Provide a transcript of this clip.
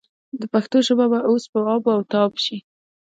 د پښتو ژبه به اوس په آب و تاب شي.